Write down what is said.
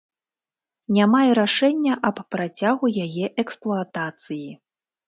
Няма і рашэння аб працягу яе эксплуатацыі.